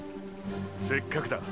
せっかくだ。